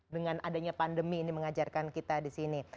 dengan adanya pandemi ini mengajarkan kita di sini